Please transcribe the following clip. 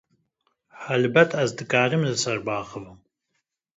helbet, ez dikarim li ser biaxivim.